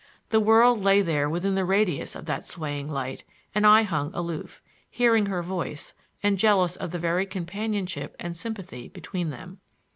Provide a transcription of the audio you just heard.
The world lay there within the radius of that swaying light, and I hung aloof, hearing her voice and jealous of the very companionship and sympathy between them.